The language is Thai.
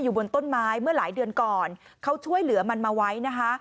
บนต้นไม้เมื่อหลายเดือนก่อนเขาช่วยเหลือมันมาไว้นะคะ